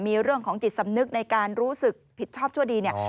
มีเรื่องของจิตสำนึกในการรู้สึกผิดชอบชั่วดีเนี่ย